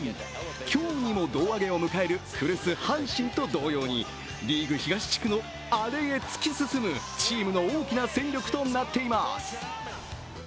今日にも胴上げを迎える古巣・阪神と同様にリーグ東地区のアレへ突き進むチームの大きな戦力となっています。